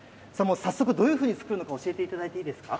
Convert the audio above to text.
早速、どういうふうに作るのか教えていただいていいですか。